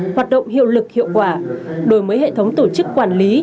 hoạt động hiệu lực hiệu quả đổi mới hệ thống tổ chức quản lý